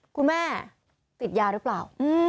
คุณแม่ติดยาหรือเปล่า